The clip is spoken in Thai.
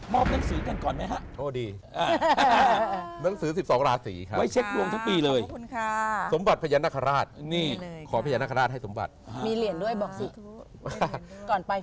มอบหนังสือกันก่อนไหมฮะโทษดี